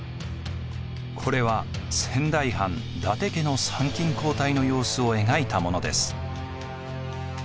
これは仙台藩伊達家の参勤交代の様子を描いたものです。